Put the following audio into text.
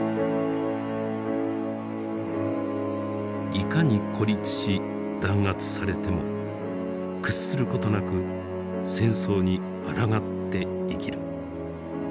いかに孤立し弾圧されても屈することなく戦争に抗って生きる。